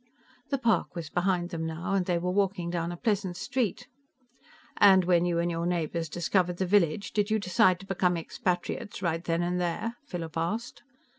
The park was behind them now, and they were walking down a pleasant street. "And when you and your neighbors discovered the village, did you decide to become expatriates right then and there?" Philip asked.